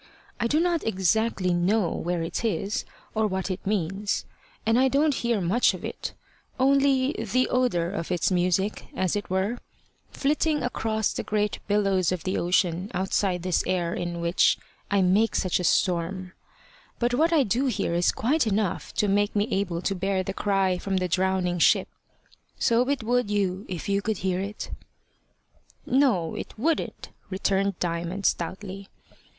I do not exactly know where it is, or what it means; and I don't hear much of it, only the odour of its music, as it were, flitting across the great billows of the ocean outside this air in which I make such a storm; but what I do hear is quite enough to make me able to bear the cry from the drowning ship. So it would you if you could hear it." "No, it wouldn't," returned Diamond, stoutly.